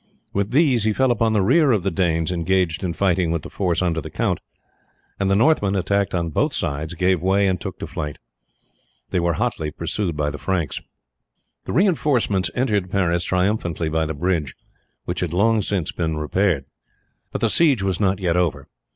With these he fell upon the rear of the Danes engaged in fighting with the force under the count, and the Northmen, attacked on both sides, gave way and took to flight. They were hotly pursued by the Franks. The reinforcements entered Paris triumphantly by the bridge, which had long since been repaired. But the siege was not yet over.